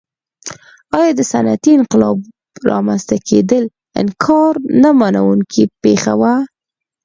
ایا د صنعتي انقلاب رامنځته کېدل انکار نه منونکې پېښه وه.